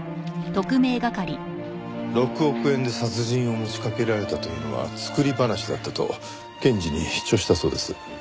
６億円で殺人を持ちかけられたというのは作り話だったと検事に主張したそうです。